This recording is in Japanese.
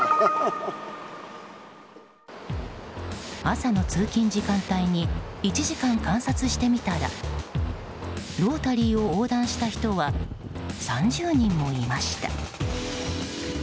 朝の通勤時間帯に１時間、観察してみたらロータリーを横断した人は３０人もいました。